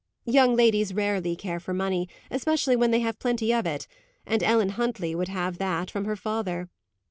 Young ladies rarely care for money, especially when they have plenty of it; and Ellen Huntley would have that, from her father.